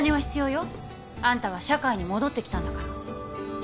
あんたは社会に戻ってきたんだから。